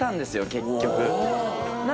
結局。